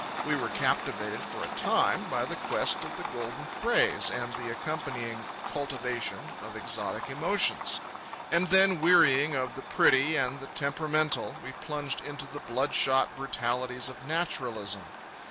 We were captivated for a time by the quest of the golden phrase and the accompanying cultivation of exotic emotions; and then, wearying of the pretty and the temperamental, we plunged into the bloodshot brutalities of naturalism.